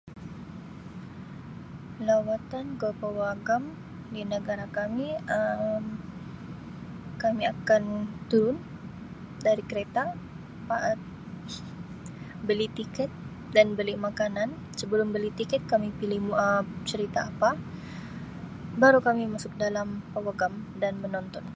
Lawatan ke pawagam di negara kami Um kami akan turun dari kereta [unintelligible] beli tiket dan beli makanan sebelum beli tiket Kami pilih Um cerita apa, baru kami masuk dalam pawagam dan menonton.